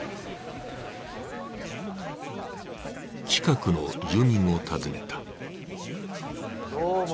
近くの住民を訪ねた。